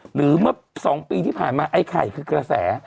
หรือเมื่อ๒ปีที่ผ่านมาไอ้ไข่คือกระแส